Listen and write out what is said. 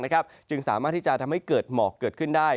ที่จะทำให้เกิดหมอกเกิดขึ้นได้